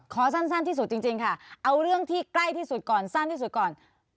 ขอสั้นที่สุดจริงค่ะเอาเรื่องที่ใกล้ที่สุดก่อนสั้นที่สุดก่อน